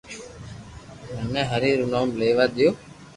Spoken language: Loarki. مني ھري رو نوم ليوا دو